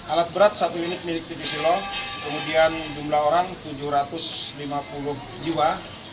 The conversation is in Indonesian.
alat berat satu unit milik tv silo kemudian jumlah orang tujuh ratus lima puluh jiwa